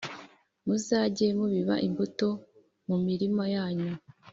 muzajye mubiba imbuto mu mirima yanyu